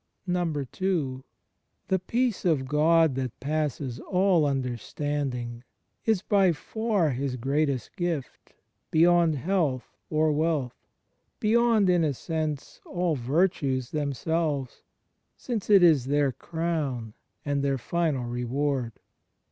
n. The Peace of God that passes all imderstanding is by far His greatest gift, beyond health or wealth, — beyond, in a sense, all virtues themselves, since it is their crown and their final reward.